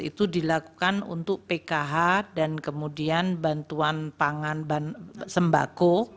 itu dilakukan untuk pkh dan kemudian bantuan pangan sembako